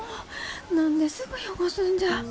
何ですぐ汚すんじゃ。